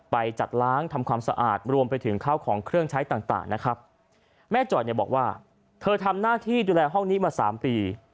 ไปจัดล้างทำความสะอาดรวมไปถึงข้าวของเครื่องใช้ต่างต่างนะครับแม่จ่อยเนี่ยบอกว่าเธอทำหน้าที่ดูแลห้องนี้มาสามปี